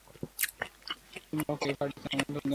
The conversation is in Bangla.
তোমরা ওকে পার্টিতে আমন্ত্রণ জানিয়েছো?